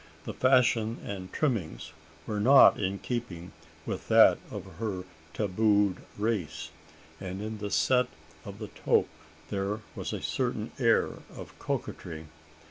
The fashion and trimmings were not in keeping with that of her tabooed race; and in the set of the toque there was a certain air of coquetry.